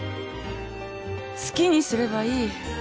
好きにすればいい。